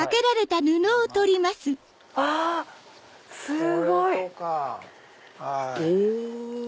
すごい！お！